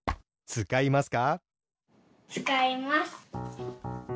つかいます。